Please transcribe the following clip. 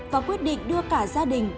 và quyết định đưa cả gia đình